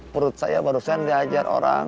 perut saya barusan diajar orang